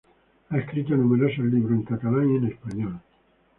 Ha escrito numerosos libros en catalán y en español.